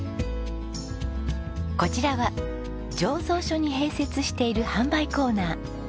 こちらは醸造所に併設している販売コーナー。